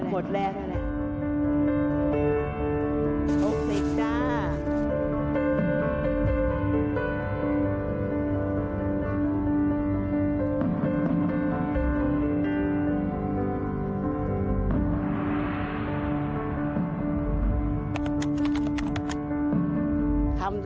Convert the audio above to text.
โฮคลีช่า